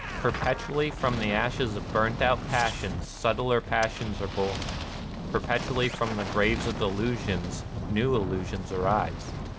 Perpetually from the ashes of burnt out passions subtler passions are born, — perpetually from the graves of illusions new illusions arise.